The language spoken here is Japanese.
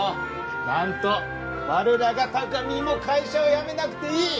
なんと我らが高見も会社を辞めなくていい！